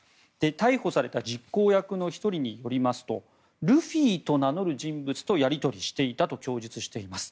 逮捕された実行役の１人によりますとルフィと名乗る人物とやり取りしていたと供述しています。